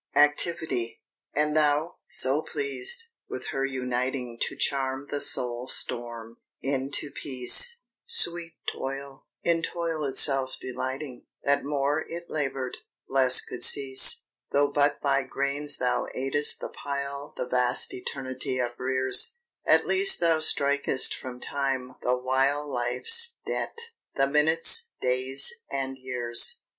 ACTIVITY "And thou, so pleased, with her uniting To charm the soul storm, into peace, Sweet Toil, in toil itself delighting, That more it labored, less could cease; Tho' but by grains thou aid'st the pile The vast Eternity uprears, At least thou strik'st from Time the while Life's debt the minutes, days, and years."